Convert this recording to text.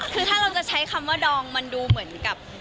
คือถ้าเราจะใช้คำว่าดองมันดูเหมือนกับ